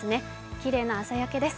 きれいな朝焼けです。